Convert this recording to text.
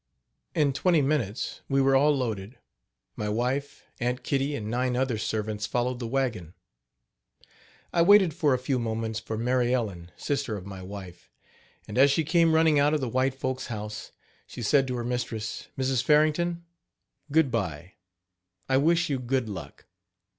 In twenty minutes we were all loaded. My wife, Aunt Kitty and nine other servants followed the wagon. I waited for a few moments for Mary Ellen, sister of my wife; and as she came running out of the white folks' house, she said to her mistress, Mrs. Farrington: "Good bye; I wish you good luck.